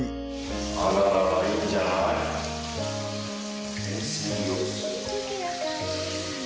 あらららいいんじゃない？